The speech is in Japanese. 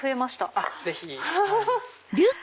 あっぜひ。